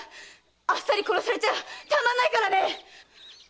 あっさり殺されちゃたまんないからね！